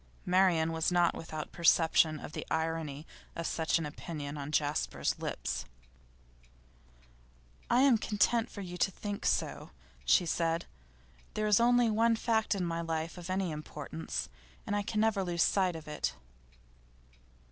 Marian was not without perception of the irony of such an opinion on Jasper's lips. 'I am content for you to think so,' she said. 'There is only one fact in my life of any importance, and I can never lose sight of it.